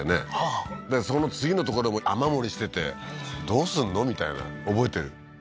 ああでそこの次の所も雨漏りしててどうすんの？みたいな覚えてる